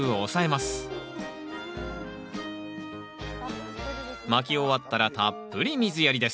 まき終わったらたっぷり水やりです